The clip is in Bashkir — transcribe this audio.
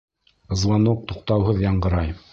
Звонок туҡтауһыҙ яңғырай.